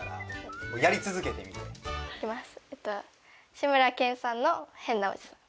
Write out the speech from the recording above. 志村けんさんの変なおじさん。